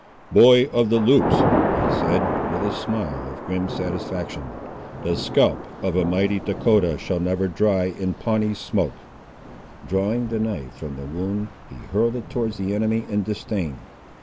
"Boy of the Loups!" he said with a smile of grim satisfaction, "the scalp of a mighty Dahcotah shall never dry in Pawnee smoke!" Drawing the knife from the wound, he hurled it towards the enemy in disdain.